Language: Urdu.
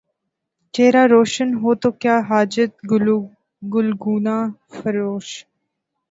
چہرہ روشن ہو تو کیا حاجت گلگونہ فروش